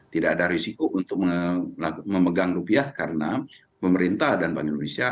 tidak ada risiko untuk memegang rupiah karena pemerintah dan bank indonesia